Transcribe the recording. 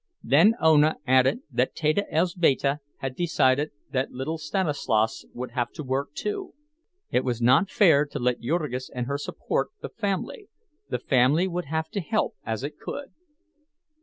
Then Ona added that Teta Elzbieta had decided that little Stanislovas would have to work too. It was not fair to let Jurgis and her support the family—the family would have to help as it could.